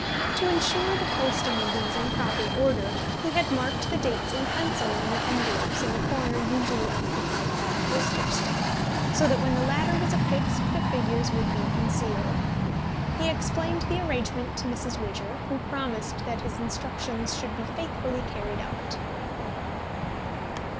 To insure the posting of these in proper order, he had marked the dates in pencil on the envelopes in the corner usually occupied by the postage stamp, so that when the latter was affixed the figures would be concealed. He explained the arrangement to Mrs. Widger, who promised that his instructions should be faithfully carried out.